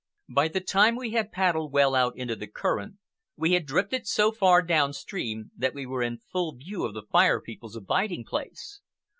By the time we had paddled well out into the current, we had drifted so far downstream that we were in full view of the Fire People's abiding place.